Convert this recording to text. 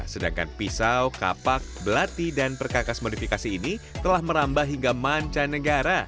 sedangkan pisau kapak belati dan perkakas modifikasi ini telah merambah hingga mancanegara